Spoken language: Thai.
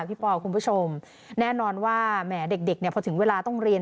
พี่ปอคุณผู้ชมแน่นอนว่าแหมเด็กเนี่ยพอถึงเวลาต้องเรียน